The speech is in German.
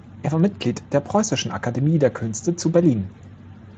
Er war Mitglied der Preußischen Akademie der Künste zu Berlin.